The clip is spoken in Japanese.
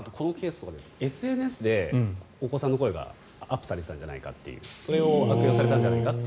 ＳＮＳでお子さんの声がアップされてたんじゃないかというそれを悪用されたんじゃないかと。